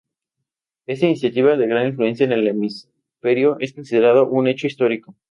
Esta iniciativa de gran influencia en el hemisferio, es considerado un hecho histórico.